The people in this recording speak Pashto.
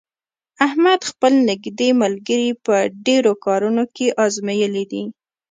احمد خپل نېږدې ملګري په ډېرو کارونو کې ازمېیلي دي.